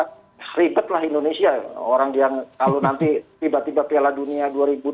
karena ribetlah indonesia orang yang kalau nanti tiba tiba piala dunia dua ribu dua puluh empat